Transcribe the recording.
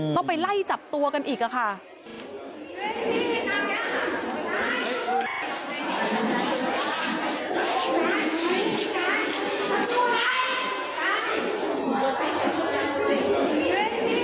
ต้องไปไล่จับตัวกันอีกค่ะ